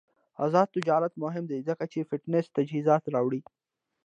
آزاد تجارت مهم دی ځکه چې فټنس تجهیزات راوړي.